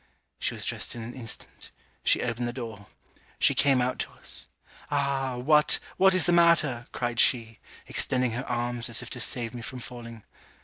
She was dressed in an instant. She opened the door. She came out to us. 'Ah! what, what is the matter?' cried she, extending her arms as if to save me from falling.